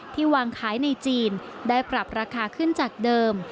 วางขายในจีนได้ปรับราคาขึ้นจากเดิม